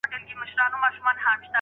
د هر غم په ښهرگو کې آهتزاز دی